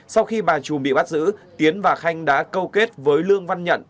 sau khi bà trùm bị bắt giữ tiến và khanh đã câu kết với lương văn nhận